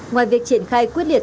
ngoài việc triển khai quyết liệt